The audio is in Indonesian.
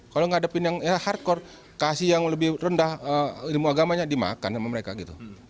kalau ngadepin yang hardcore kasih yang lebih rendah ilmu agamanya dimakan sama mereka gitu